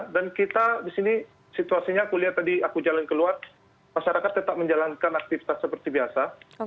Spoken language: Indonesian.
dan kita di sini situasinya aku lihat tadi aku jalan keluar masyarakat tetap menjalankan aktivitas seperti biasa